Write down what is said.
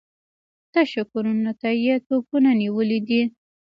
تشو کورونو ته يې توپونه نيولي دي.